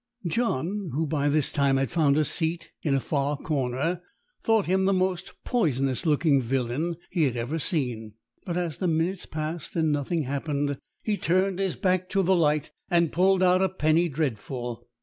John, who by this time had found a seat in a far corner, thought him the most poisonous looking villain he had ever seen; but as the minutes passed and nothing happened, he turned his back to the light and pulled out a penny dreadful.